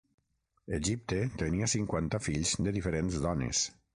Egipte tenia cinquanta fills de diferents dones.